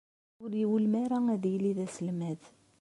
Ur iwulem ara ad yili d aselmad.